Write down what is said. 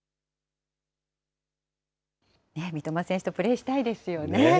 三笘選手とプレーしたいですよね。